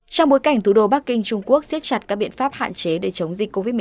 trong bối cảnh thủ đô bắc kinh trung quốc siết chặt các biện pháp hạn chế để chống dịch covid một mươi chín